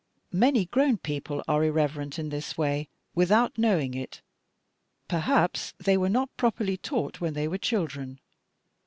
Many grown people are irreverent in this way without knowing it: perhaps they were not properly taught when they were children.